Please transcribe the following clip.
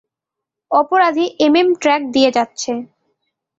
অপরাধী MM track দিয়ে যাচ্ছে।